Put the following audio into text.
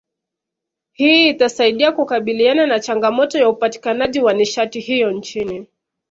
Hii itasaidia kukabiliana na changamoto ya upatikanaji wa nishati hiyo nchini